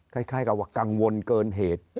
คล้ายกับว่ากังวลเกินเหตุ